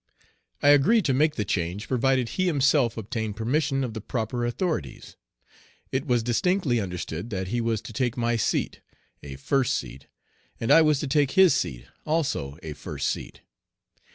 I agreed to make the change, provided he himself obtained permission of the proper authorities. It was distinctly understood that he was to take my seat, a first seat, and I was to take his seat, also a first seat.